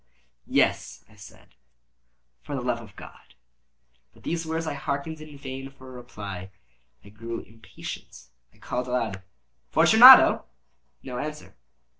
_" "Yes," I said, "for the love of God!" But to these words I hearkened in vain for a reply. I grew impatient. I called aloud— "Fortunato!" No answer.